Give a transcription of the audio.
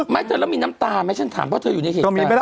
เธอแล้วมีน้ำตาไหมฉันถามว่าเธออยู่ในเหตุการณ์